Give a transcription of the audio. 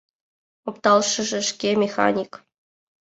Опталшыже шке — механик.